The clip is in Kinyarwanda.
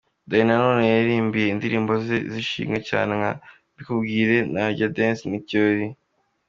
Danny Nanone yaririmbye indirimbo ze zishimiwe cyane nka Mbikubwire, Narya Dance n'Ikirori.